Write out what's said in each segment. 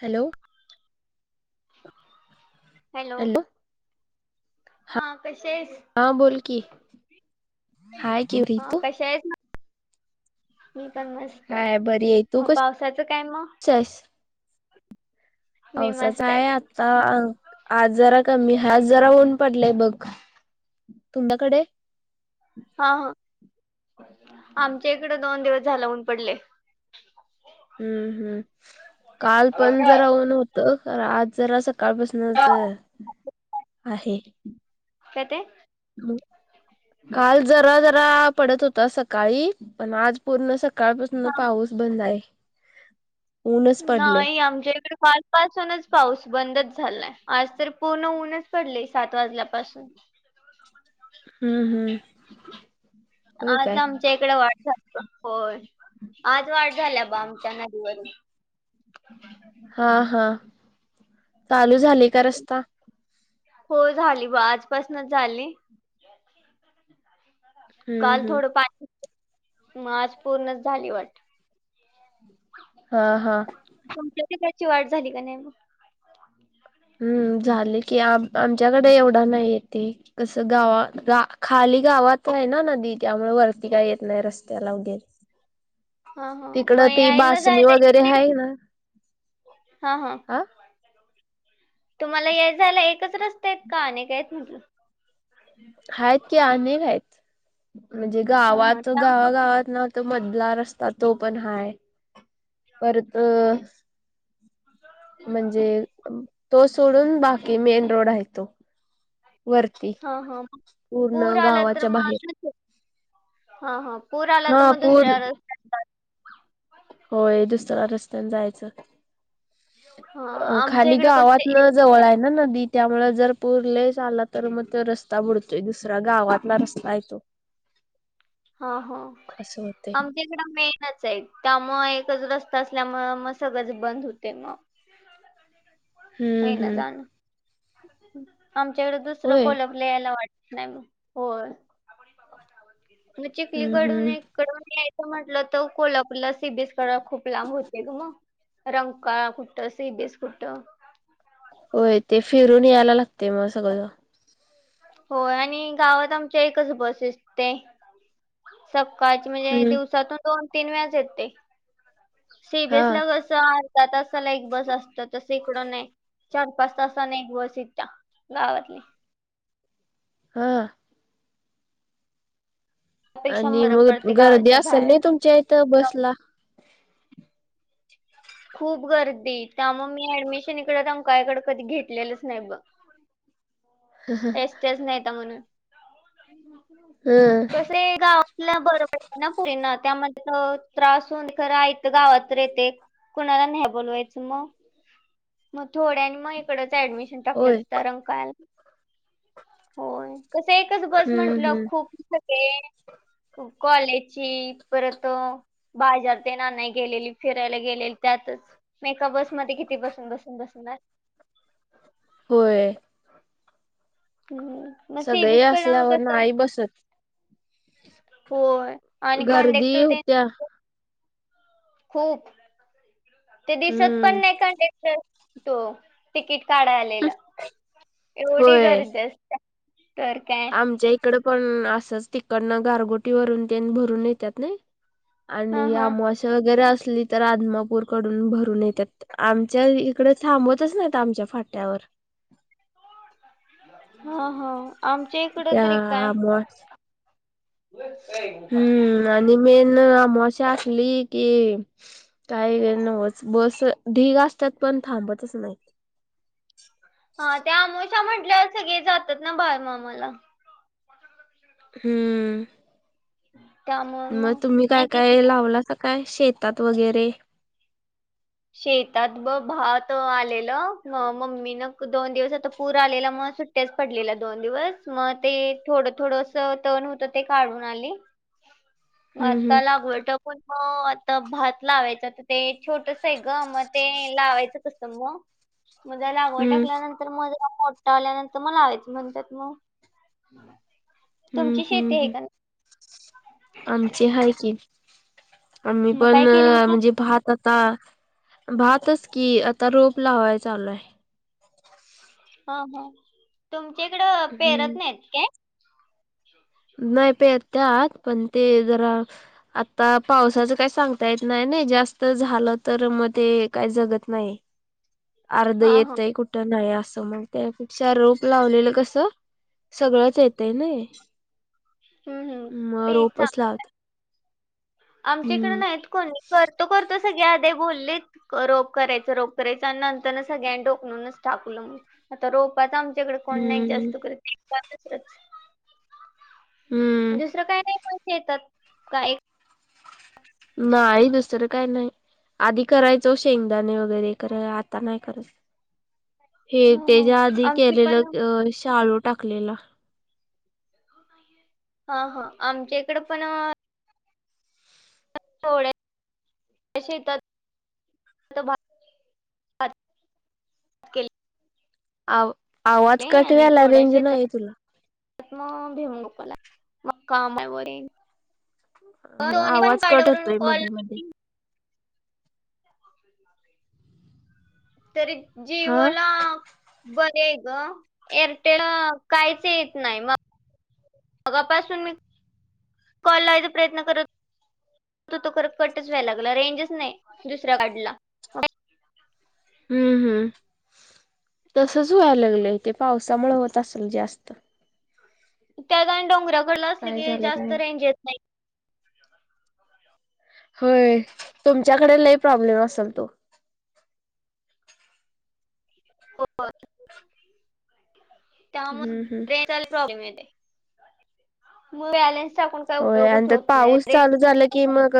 Hello. Hello हा कशी आहेस? हा बोल की हाय केवरी तो शाळेतनं मी पण मस्त हाय बरी आहे तू म कशी पावसाचं काय म? आहेस पावसाच आहे आता आज जरा कमी आज जरा ऊन पडलाय बघ. तुम्बाकडे? हा हा आमच्या इकडं दोन दिवस झालं ऊन पडले. हम्म हम्म काल पण काय जरा ऊन होतं अर आज जरासा काळपसनच आहे. काय ते ह काल जरा जरा पडत होता सकाळी पण आज पूर्ण सका काळ पसनं हा पाऊस बंद हाय. नाही आमच्या इकडं कालपासूनच पाऊस बंदच झालाय आज तर पूर्ण ऊनच पडलंय सात वाजल्यापासून. हम्म हम्म. होय आज काय आमच्या इकडे वाढ झाली होय आज वाढ झाल्या बा आमच्या नदीवरून. हा हा चालू झालंय का रस्ता? हो झाली बा आज पासनच झाली. हम्म काल हम्म थोड पानी, म आज पूर्णच झाली वाट. हा हा. तुमच्या तीकडची वाट झाली का नाय म? हम्म झाले की आ आमच्याकडे एवढा नाही येते. कसं गावा गा खाली गावात हाय ना नदी त्यामुळे वरती काय येत नाही रस्त्याला गे. हा हा, म यायला बासणी जायला वगैरे आहे [unintelligible] ना हा हा तुम्हाला येय जायला एकच रस्तेत आहे का अनेके आहेत म्हटलं. हायत की अनेक हायत म्हणजे हा हा गावात त्यामुळे गावागावात नाव तो मधला रस्ता तो पण हाय परत म्हणजे तो सोडून बाकी मेन रोड हाय तो वर हा हा मग पूर्ण पूर आला तर गावाच्या मग बाहेर. दुस- हा हा पुर आला हा तर मग, पूर दुसऱ्या र होय दुसरा रस्त्यानं जायचं हा आमच्या खाली इकडे कसं गावातनं एकच जवळ आहे ना नदी त्यामुळे जर पुर लइच आला, तर मग त्यो रस्ता बुडतोय दुसऱ्या गावात. [unintelligible] रस्ता आहे तो. हा हो. असं होतय. आमच्या ड मेनच आहे. त्यामुळं एकच रस्ता असल्यामुळे मग सगळंच बंद होतंय मग. हम्म नाही ना हम्म. जा ना. आमच्याकडे दुसरं होय. कोलाप लयला वाटत नाही हो होय. मग हम्म चिखलीकडून हम्म. एककडून याय म्हंटल तर कोल्हापूरला सीबीएस करायला खूप लांब होते ग मग. रंका कुठं सी बी एस कुठं होय ते फिरून यायला लागते मग सगळं. होय आणि गावात आमच्या एकच बस असते. सकाळची म्हणजे हम्म. दिवसातून दोन तीन वेळाच येते. सी बी हा एस ला कसं अर्ध्या तासाला एक बस असतं तसं इकडं नाही. चार पाच तासाने एक बस येत्या गावातली. हां. त्यापेक्षा आणि बरं मग पडते गर्दी गावाच्या असलं बाहेर. नाही तुमच्या इथं बसला. खूप गर्दी त्यामुळे मी ऍडमिशन इकडं रंकाळ्याकडे कधी घेतलेलंच नाही ब. टेस्टच नाही येता म्हणून हम्म. कसे ए गाव ल्या बरोबर [unintelligible] पुरींना त्यामध्ये त्रास होऊन करा इथं गावात येते. कुणाला नाही बोलवायचं म म थोड्यानी मग इकडच ऍडमिशन होय. टाकल्यातचा रंग काय कसं एकच बस हम्म म्हंटलं हम्म खूप [unintelligible] कॉलेजची परत बाजार तेन आणायला गेलेली, फिरायला गेलेली त्यातच. मग एका बसमध्ये किती बसून बसून बसणार? होय. हम्म म सी बी सगळे एस कडं असल्यावर कसं नाही बसत होय. आणि गर्दी कंडक्टर तेन होत्या. खूप ते दिसत पण हम्म. नाही कंडेक्टर तो तिकीट काढाय आलेला एवढी होय. गरदी असते. तर काय आमच्या इकडं पण असंच तिकडनं गारगोटी वरून तेन भरून येत्यात नाही. हा आणि हा अमावस्या वगैरे असली तर आदमापूरकडून भरून येत्यात. आमच्या इकडं थांबवतच नाहीत आमच्या फाट्यावर. हा हा आमच्या इकडं त्या तरी काय अमाव हम्म आणि मेन अमावश्या असली की काही गं नवच बस ढीग असतात पण थांबतच नाही. हा ते आमोशा म्हटल्यावर सगळी जातात ना बाळूमामाला. हम्म. त्यामुळे मग तुम्ही काय नाही की काय लावलास काय शेतात वगैरे? शेतात ब भात आलेलं म मम्मी ना क दोन दिवस आता पूर आलेला म सुट तेच पडलेलं दोन दिवस, मग ते थोडं थोडंसं तण होत ते काढून आली. म हम्म आता लागवट पण म आता भात लावायच तर ते छोट ग मग ते लावायचं कसं मग, मग जरा लागवड हम्म हम्म टाकल्यानं त्याला [unintelligible] मोठा आल्यानंतर म लावायचं म्हणत्यात म. हम्म तुमची शेती आहे का ना? आमचे आहे कि आम्ही मग पण काय केले म्हणतात म्हणजे भात आता. भातच की आता रोप लावाय चालू आहे. हा हा तुमच्या इकडं पेरत हम्म नाहीत काय? नाही पेतात पण ते जरा. आता पावसाचं काही सांगता येत नाही ना जास्त झालं तर मग ते काय जगत नाही. [inaudible] अर्धे हा हा येतय कुठ कुठं नाही असं मग त्यापेक्षा रूप लावलेलं कसं सगळंच येत नाही. हम्म हम्म मग ते रोपच चांग लावते. आमच्या इकड नाहीत कोणी करतो करत सगळ्या आध्या बोललीत रोप करायच रोप करायच आणि नंतर सगळ्यां डोकलनूच टाकलं मग. आता रोपात आमच्याकडे कोण नाही हम्म जास्त करत. [inaudible] हम्म दुसरं काही नाही पैसे येतात का एक नाही दुसरं काय नाही आधी करायचो शेंगदाणे वगैरे. आता नाही खरं. हे हो हो त्याच्या आधी आमची पण केलेलं शाळू टाकलेला. हा हा आमच्या इकडं पण थोड्या शेतात भात केलेले आ आवाज कट व्हायलाय रेंज नाही तुला. त्यात मग भेऊ नको मला मग कामावर येई हा दोन्ही पण आवाज कार्ड कट वरून होतोय कॉल. मध्ये तरी हा जीवला बरी आहे ग एअरटेल काहीच येत नाही. मग अगापासून मी कॉल लावयचा प्रयत्न करत होतो कर कटच व्हायला लागला रेंजच नाही. दुसरा काढला. हम्म हम्म तसच व्हाय लागलय ते पावसामुळे होत असल जास्त. त्याजा आणि डोंगर्याकडला असलं काय की झाले काय जास्त माहित. रेंज येत नाही. होय तुमच्याकडे लई प्रॉब्लेम असेल तो. हो हम्म हम्म त्यामुळे रेंज. [inaudible] प्रॉब्लेम येते म बॅलन्स टाकून काय उपयोगच होत नाही रे. के मग...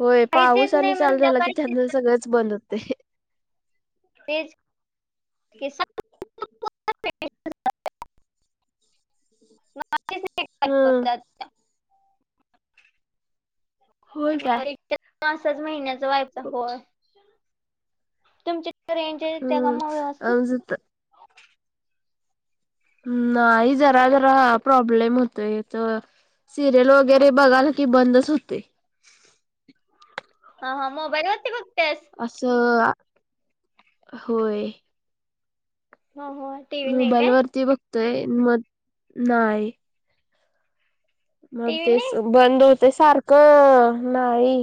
होय काहीच पाऊस येत आणि नाही मग चालू झाला की संध्याकाळी त्यानी सगळंच बंद होते. तेच की सात हम्म [unintelligible] होय काय मग रिचार्ज पाच सहा महिन्याचाच व्हायचा होय. तुमच्या इकडं रेंज ते त्या हम्म काम व्यवस्थित. आमचं त नाही जरा जरा प्रॉब्लेम होतय इथं. सिरियल वगैरे बघाल की बंदच होते. ह हा मोबाईलवरती बघत्यास. असं आ होय. ना होय. मोबाईल वरती बघतोय मग नाही. मग टीव्ही तेच नाही बंद होते सारखं नाही.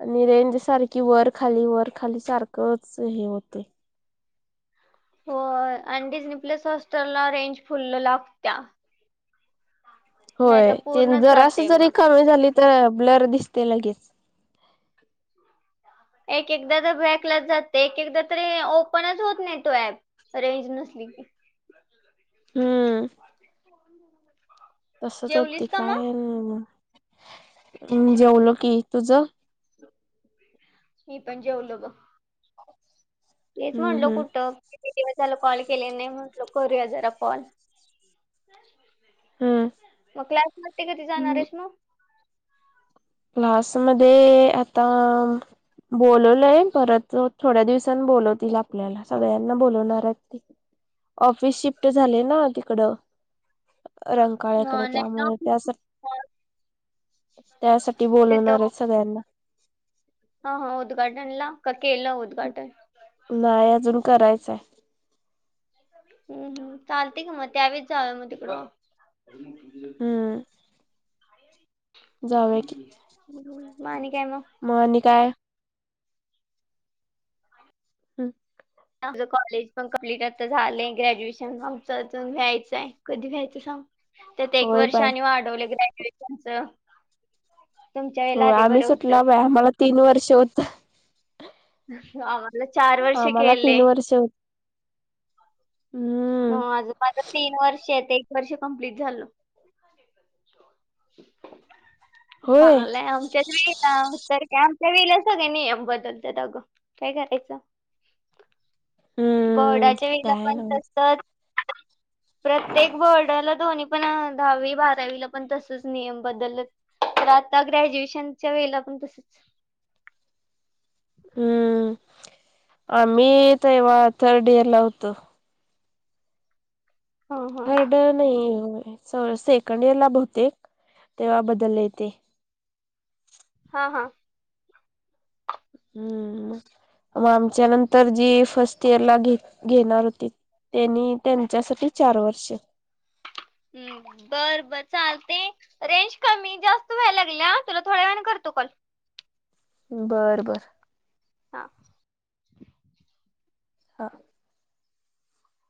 आणि रेंज सारखी वर खाली, वर खाली सारखंच हे होतंय. हो आणिं डिजनप्लेस हॉटस्टारला रेंज फुल लागत्या. नाही होय तर ते पूर्णच जरास जाते जरी मग का [unintelligible] झाली तर ब्लर दिसते लगेच. एक एकदा तर बॅकलाच जातय. एक एकदा तरी ओपनच होत नाही तो ऍप. रेंज नसली की. हम्म [inaudible] तसच होतय जेवलीस का काय मग आणि मग जेवलो की तुझ मी पण जेवलो बग तेच हम्म म्हटलो कुठं किती दिवस झाला कॉल केले नाही म्हटल करूया जरा कॉल. हम्म मग क्लास मग ते कधी जाणार आहेस मग. क्लास मध्ये आता बोलवलंय परत थोड्या दिवसांनी बोलवतील आपल्याला, सगळ्यांना बोलवणार आहेत. ऑफिस शिफ्ट झाले ना तिकड रंग अं, काळ्याकडे नाही ना त्यामुळे त्या त्यासाठी तिथं बोलवणार आहेत सगळ्यांना. हा हा उद्घाटन ला का केलं उद्घाटन. नाही अजून करायचाय. हम्म हम्म चालते की मग त्यावेळेस जाव्या मग तिकड. हम्म. जाऊया म आणि काय मग. म आणि काय. हम्म. आमच कॉलेज पण कम्प्लीट आता झालंय, ग्रॅज्युएशन आमचं अजून व्हायचंय आहे, कधी व्हायचं सांग. तर ते एक होय वर्ष बाय आणि वाढवले ग्रॅज्युएशनच. होय आम्ही सुटला बा आम्हाला तीन वर्ष होत. अवा आपल चार वर्ष आम्हाला केले तीन वर्ष होत हम्म माझ माझं तीन वर्ष आहे आता एक वर्ष कंप्लीट झालं. [inaudible] होय चांगलंय आमच्या वेळे तर काय आमच्या वेला सग्या नियम बद्दल त्यातआग काय करायचं. हम्म बर्डाच्या वेळेला काय पण नव्ह तसच. प्रत्येक बोर्डाला दोनी पण दहावी बारावीला पण तसच नियम बद्दल तर आता ग्रॅज्युएशनच्या वेळेला पण तसच. हम्म आम्ही तेव्हा थर्ड इयर ला होत. हा हा. [unintelligible] नाही सरळ सेकंड इयरला बहुतेक तेव्हा बदललय ते. हा हा. हम्म मग आमच्या नंतर जी फर्स्ट इयर ला घे घेणार होतीत. त्यांनी त्यांच्यासाठी चार वर्ष. हम्म. बर बर चालते रेंज कमी जास्त व्हाय लागल्या तुला थोड्या वेळानं करतो कॉल. बर बर. हा. हा.